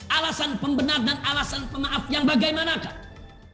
alasan pembenar dan alasan pemaaf yang bagaimanakah